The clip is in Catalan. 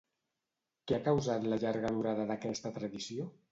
Què ha causat la llarga durada d'aquesta tradició?